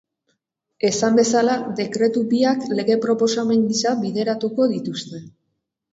Esan bezala, dekretu biak lege proposamen gisa bideratuko dituzte.